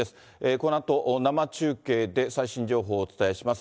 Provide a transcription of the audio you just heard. このあと、生中継で最新情報をお伝えします。